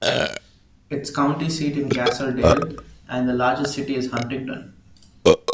Its county seat is Castle Dale, and the largest city is Huntington.